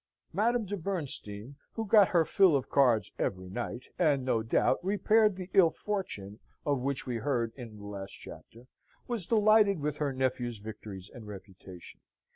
Madame de Bernstein, who got her fill of cards every night, and, no doubt, repaired the ill fortune of which we heard in the last chapter, was delighted with her nephew's victories and reputation.